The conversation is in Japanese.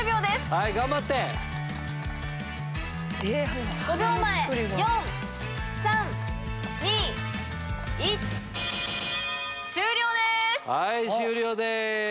はい終了です！